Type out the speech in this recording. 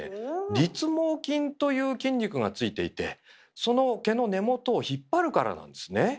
「立毛筋」という筋肉がついていてその毛の根元を引っ張るからなんですね。